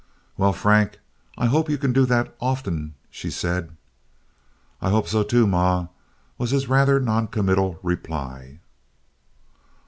"Well, Frank, I hope you can do that often," she said. "I hope so, too, ma," was his rather noncommittal reply.